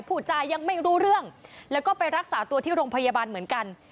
ผู้จายังไม่รู้เรื่องแล้วก็ไปรักษาตัวที่โรงพยาบาลเหมือนกัน